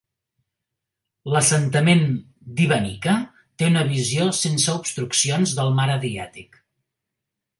L"assentament d"Ivanica té una visió sense obstruccions del Mar Adriàtic.